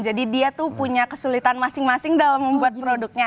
jadi dia tuh punya kesulitan masing masing dalam membuat produknya